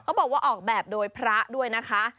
บอกว่าออกแบบโดยพระด้วยนะคะ